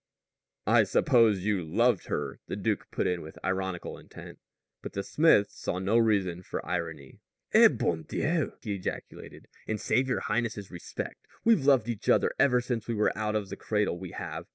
"I suppose you loved her," the duke put in with ironical intent. But the smith saw no reason for irony. "Eh, bon Dieu!" he ejaculated. "And save your highness's respect, we've loved each other ever since we were out of the cradle, we have.